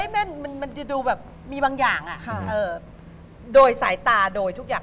แม่นมันจะดูแบบมีบางอย่างโดยสายตาโดยทุกอย่าง